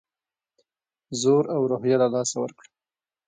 زور او روحیه له لاسه ورکړه.